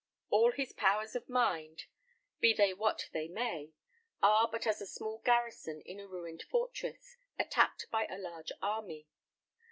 All his powers of mind, be they what they may, are but as a small garrison in a ruined fortress, attacked by a large army.